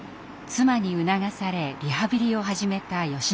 妻に促されリハビリを始めたよしのり先生。